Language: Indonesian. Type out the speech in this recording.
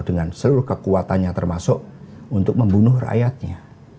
dengan seluruh kekuatannya termasuk untuk membunuh rakyatnya